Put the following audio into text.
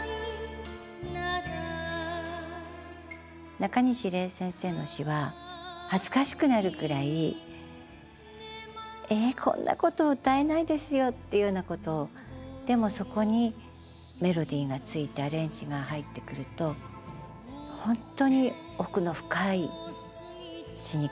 なかにし礼先生の詞は恥ずかしくなるくらいえっこんなこと歌えないですよっていうようなことをでもそこにメロディーがついてアレンジが入ってくると本当に奥の深い詞に変わっていくんですね。